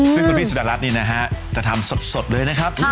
ซึ่งคุณพี่สุดารัฐนี่นะฮะจะทำสดเลยนะครับ